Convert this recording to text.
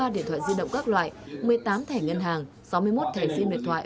bốn mươi ba điện thoại di động các loại một mươi tám thẻ ngân hàng sáu mươi một thẻ xin điện thoại